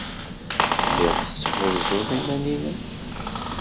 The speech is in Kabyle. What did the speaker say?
Tellid tetthuzzud iman-nnem.